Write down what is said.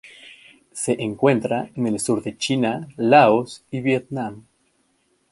Se encuentra en el sur de China, Laos y Vietnam.